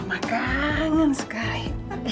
mama kangen sekali